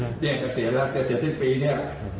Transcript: พี่ยังจะเสียแล้วจะเสียสิ้นปีเนี่ย